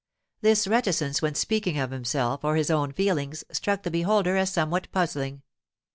This reticence when speaking of himself or his own feelings, struck the beholder as somewhat puzzling.